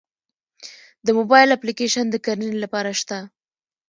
د موبایل اپلیکیشن د کرنې لپاره شته؟